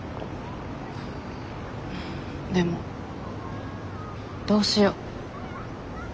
でもどうしよう。